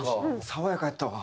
爽やかやったわ。